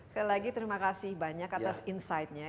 sekali lagi terima kasih banyak atas insightnya